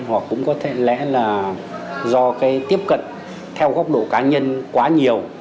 hoặc cũng có lẽ là do tiếp cận theo góc độ cá nhân quá nhiều